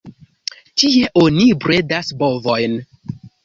Tie oni bredas bovojn.